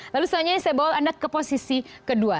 lalu selanjutnya saya bawa anda ke posisi kedua